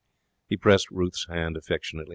He pressed Ruth's hand affectionately.